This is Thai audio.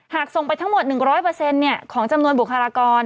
ส่งไปทั้งหมด๑๐๐ของจำนวนบุคลากร